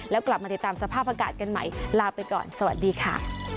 แล้วกลับมาติดตามสภาพอากาศกันใหม่ลาไปก่อนสวัสดีค่ะ